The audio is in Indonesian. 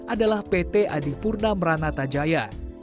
adalah pt adipurna meranata jaya